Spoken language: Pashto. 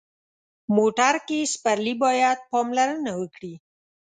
موټر کې سپرلي باید پاملرنه وکړي.